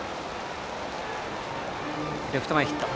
レフト前ヒット。